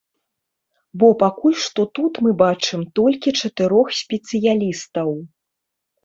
Бо пакуль што тут мы бачым толькі чатырох спецыялістаў.